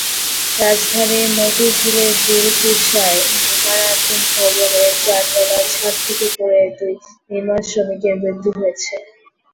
রাজধানীর মতিঝিলের দিলকুশায় নির্মাণাধীন ভবনের চারতলার ছাদ থেকে পড়ে দুই নির্মাণশ্রমিকের মৃত্যু হয়েছে।